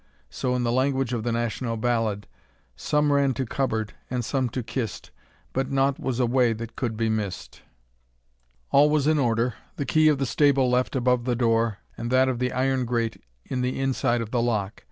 So, in the language of the national ballad, Some ran to cupboard, and some to kist, But nought was away that could be mist. All was in order, the key of the stable left above the door, and that of the iron grate in the inside of the lock.